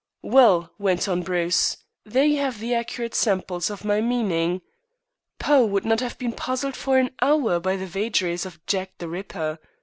"Well," went on Bruce, "there you have the accurate samples of my meaning. Poe would not have been puzzled for an hour by the vagaries of Jack the Ripper.